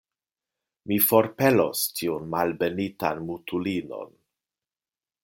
Mi forpelos tiun malbenitan mutulinon!